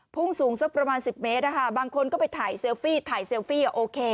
พุ่งสูงสักประมาณ๑๐เมตรบางคนก็ไปถ่ายเซลฟี่ถ่ายเซลฟี่โอเค